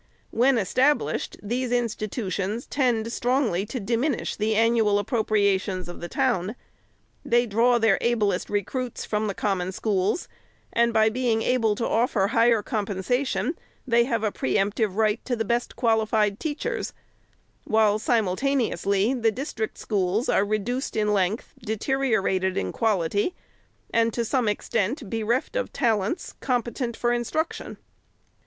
When established, these institutions tend strongly to diminish the annual appropriations of the town ; they draw their ablest recruits from the Com mon Schools ; and, by being able to offer higher compen sation, they have a pre emptive right to the best qualified teachers ; while, simultaneously, the district schools are reduced in length, deteriorated in quality, and, to some extent, bereft of talents. competent for instruction.